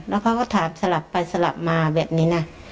แล้วเขาก็ถามสลับไปสลับมาแบบนี้นะ